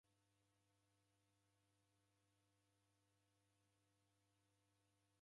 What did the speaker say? Sikunde mndwaw'omi ungi uko ighade